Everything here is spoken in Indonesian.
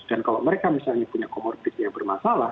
dan kalau mereka misalnya punya komorbid yang bermasalah